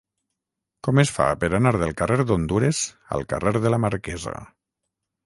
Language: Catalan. Com es fa per anar del carrer d'Hondures al carrer de la Marquesa?